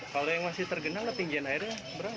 kalau yang masih tergenang ketinggian airnya berapa